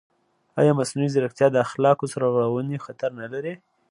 ایا مصنوعي ځیرکتیا د اخلاقي سرغړونې خطر نه لري؟